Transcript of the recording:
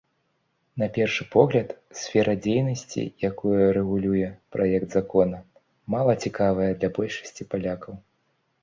На першы погляд, сфера дзейнасці, якую рэгулюе праект закона, мала цікавая для большасці палякаў.